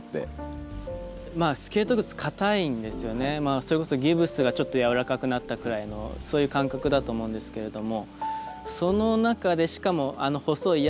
それこそギプスがちょっとやわらかくなったくらいのそういう感覚だと思うんですけれども。